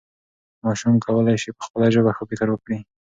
ماشوم کولی سي په خپله ژبه ښه فکر وکړي.